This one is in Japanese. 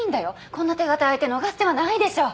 こんな手堅い相手逃す手はないでしょ。